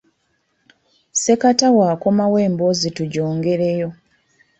Ssekatawa akomawo emboozi tugyongereyo.